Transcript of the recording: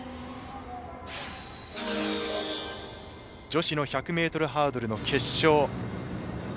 女子の１００ｍハードルの決勝。